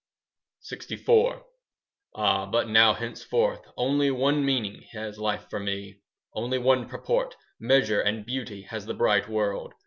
LXIV Ah, but now henceforth Only one meaning Has life for me. Only one purport, Measure and beauty, 5 Has the bright world.